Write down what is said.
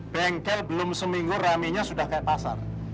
bengkel belum seminggu raminya sudah kayak pasar